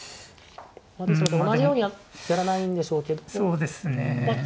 ですので同じようにやらないんでしょうけれど。